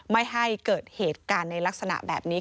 ไม่ให้เกิดเหตุการณ์ในลักษณะแบบนี้